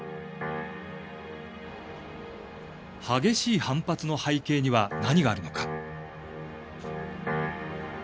激しい反発の背景には何があるのか。